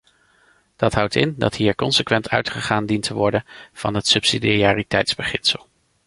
Dat houdt in dat hier consequent uitgegaan dient te worden van het subsidiariteitsbeginsel.